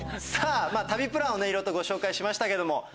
旅プランをいろいろとご紹介しましたけども。